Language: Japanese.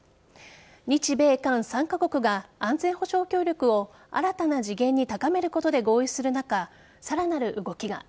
日米韓３カ国が安全保障協力を新たな次元に高めることで合意する中さらなる動きが。